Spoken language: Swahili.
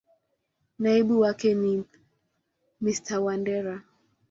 Naibu wake ni Mr.Wandera.